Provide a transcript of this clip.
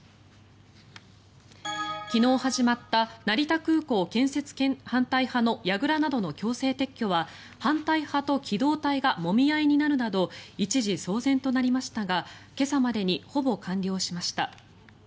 昨日始まった成田空港建設反対派のやぐらなどの強制撤去は反対派と機動隊がもみ合いになるなど一時、騒然となりましたが今朝までにほぼ完了しました。